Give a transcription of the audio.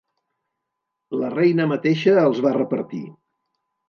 La Reina mateixa els va repartir.